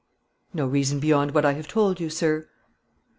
"No reason beyond what I have told you, sir."